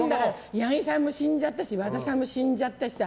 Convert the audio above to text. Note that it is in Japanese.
ヤギさんも死んじゃったし和田さんも死んじゃったしさ